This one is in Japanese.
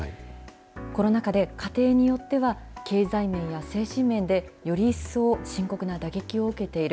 コロナ禍で家庭によっては、経済面や精神面でより一層、深刻な打撃を受けている。